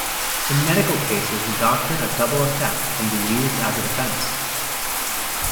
In medical cases the doctrine of double effect can be used as a defence.